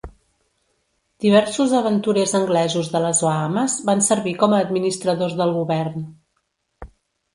Diversos aventurers anglesos de les Bahames van servir com a administradors del govern.